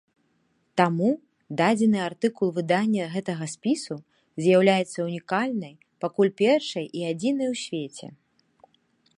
Таму дадзены артыкул выдання гэтага спісу з'яўляецца ўнікальнай, пакуль першай і адзінай у свеце.